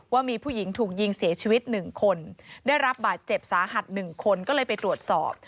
ว่ามีผู้หญิงถูกยิงเสียชีวิต๑คนได้รับบาดเจ็บสาหัส๑คนก็เลยไปตรวจสอบ